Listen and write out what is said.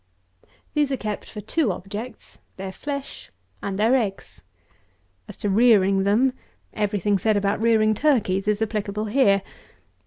These are kept for two objects; their flesh and their eggs. As to rearing them, every thing said about rearing turkeys is applicable here.